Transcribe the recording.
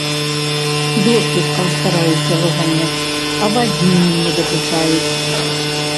Досвіткам стараюся выганяць, авадні не дакучаюць.